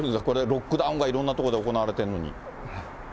これ、ロックダウンがいろんな所で行われてるのに。